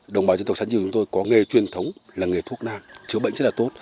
đồng bào truyền thống sản dự của chúng tôi có nghề truyền thống là nghề thuốc nam chữa bệnh rất là tốt